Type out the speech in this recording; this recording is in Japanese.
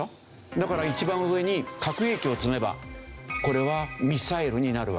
だから一番上に核兵器を積めばこれはミサイルになるわけですよね。